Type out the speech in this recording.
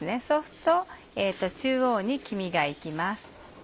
そうすると中央に黄身が行きます。